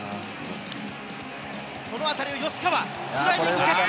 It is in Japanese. この当たりを吉川、スライディングキャッチ。